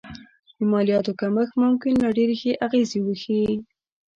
د مالیاتو کمښت ممکن لا ډېرې ښې اغېزې وښيي